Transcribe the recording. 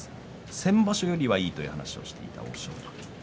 先場所よりはいいという話をしていました。